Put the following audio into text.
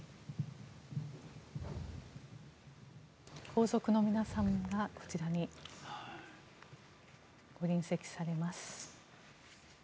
皇族の皆さんがこちらにご臨席されます。